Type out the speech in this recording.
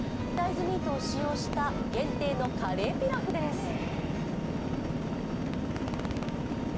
大豆ミートを使用した限定のカレーピラフです。